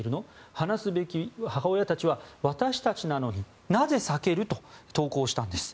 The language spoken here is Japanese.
話すべき母親たちは私たちなのになぜ避ける？と投稿したんです。